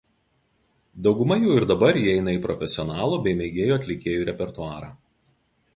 Dauguma jų ir dabar įeina į profesionalų bei mėgėjų atlikėjų repertuarą.